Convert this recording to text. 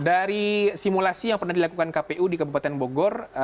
dari simulasi yang pernah dilakukan kpu di kabupaten bogor